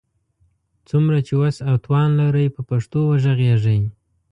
څومره چي وس او توان لرئ، په پښتو وږغېږئ!